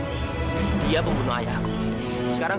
kamu enggak salah kok sayang